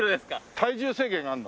体重制限があるの？